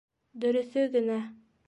Дөрөҫө генә...